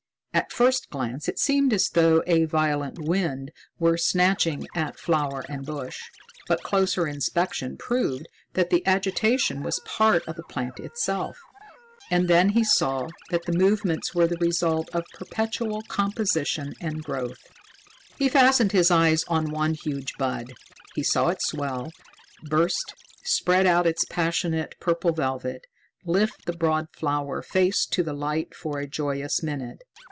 At first glance it seemed as though a violent wind were snatching at flower and bush, but closer inspection proved that the agitation was part of the plant itself. And then he saw that the movements were the result of perpetual composition and growth. He fastened his eyes on one huge bud. He saw it swell, burst, spread out its passionate purple velvet, lift the broad flower face to the light for a joyous minute.